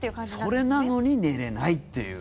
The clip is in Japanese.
それなのに寝れないっていう。